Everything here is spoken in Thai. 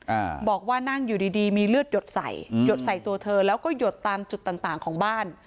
อ่าบอกว่านั่งอยู่ดีดีมีเลือดหยดใส่อืมหยดใส่ตัวเธอแล้วก็หยดตามจุดต่างต่างของบ้าน